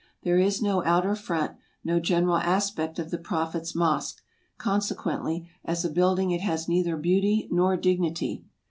There is no outer front, no general aspect of the Prophet's mosque; consequently, as a building it has neither beauty nor dignity.